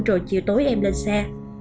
rồi chiều tối em lên xe